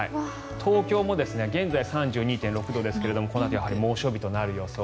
東京も現在３２．６度ですがこのあと猛暑日となる予想。